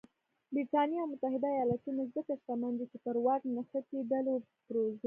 برېټانیا او متحده ایالتونه ځکه شتمن دي چې پر واک نښتې ډلې وپرځولې.